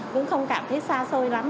vẫn không cảm thấy xa xôi lắm